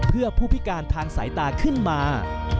เพื่อผู้พิการทางสายตาขึ้นมา